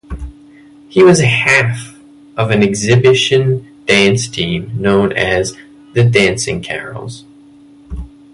He was half of an exhibition dance team known as The Dancing Carrolls.